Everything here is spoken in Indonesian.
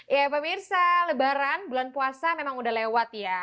ya pemirsa lebaran bulan puasa memang udah lewat ya